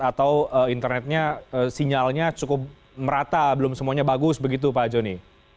atau internetnya sinyalnya cukup merata belum semuanya bagus begitu pak joni